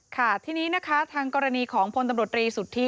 ค่ะทีนี้นะคะทางกรณีของพลตำรวจรีสุทธิ